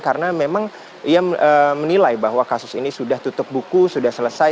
karena memang ia menilai bahwa kasus ini sudah tutup buku sudah selesai